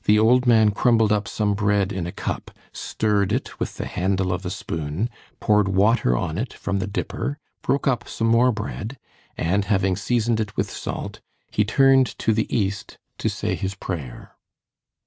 The old man crumbled up some bread in a cup, stirred it with the handle of a spoon, poured water on it from the dipper, broke up some more bread, and having seasoned it with salt, he turned to the east to say his prayer.